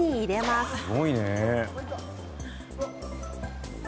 すごいね。